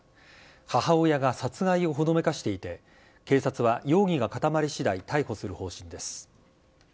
母親が殺害をほのめかしていて、警察は、容疑が固まり私大逮捕する方針です。